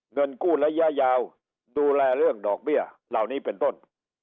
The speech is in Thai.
เงินกู้ระยะยาวดูแลเรื่องดอกเบี้ยเหล่านี้เป็นต้น